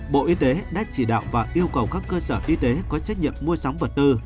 bộ y tế đã chỉ đạo và yêu cầu các cơ sở y tế có trách nhiệm mua sắm vật tư